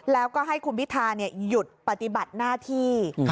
แล้วก็ให้คุณพิทาหยุดปฏิบัติหน้าที่